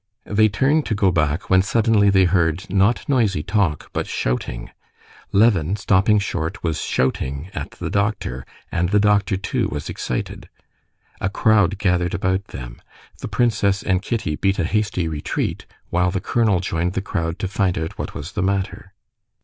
They turned to go back, when suddenly they heard, not noisy talk, but shouting. Levin, stopping short, was shouting at the doctor, and the doctor, too, was excited. A crowd gathered about them. The princess and Kitty beat a hasty retreat, while the colonel joined the crowd to find out what was the matter.